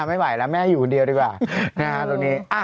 ไม่ไหวแล้วแม่อยู่คนเดียวดีกว่า